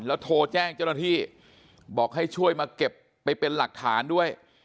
แล้วโทรแจ้งเจ้าหน้าที่บอกให้ช่วยมาเก็บไปเป็นหลักฐานด้วย